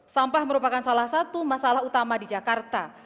sampah merupakan salah satu masalah utama di jakarta